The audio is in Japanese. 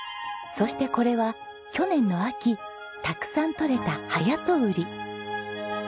そしてこれは去年の秋たくさん取れたハヤトウリ。